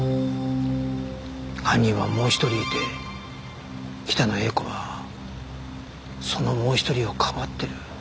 犯人はもう一人いて北野英子はそのもう一人をかばってる。